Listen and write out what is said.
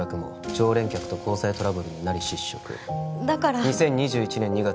「常連客と交際トラブルになり失職」だから「２０２１年２月」